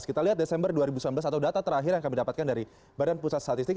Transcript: kita lihat desember dua ribu sembilan belas atau data terakhir yang kami dapatkan dari badan pusat statistik